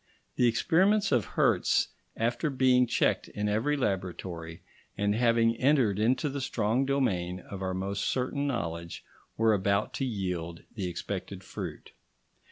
The experiments of Hertz, after being checked in every laboratory, and having entered into the strong domain of our most certain knowledge, were about to yield the expected fruit.